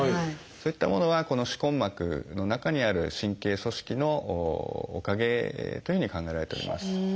そういったものはこの歯根膜の中にある神経組織のおかげというふうに考えられております。